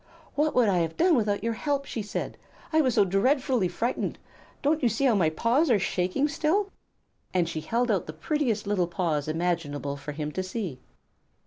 "What would I have done without your help?" she said. "I was so dreadfully frightened. Don't you see how my paws are shaking still?" And she held out the prettiest little paws imaginable for him to see.